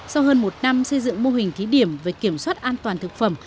sau hơn một năm xây dựng mô hình thí điểm về kiểm soát an toàn thực phẩm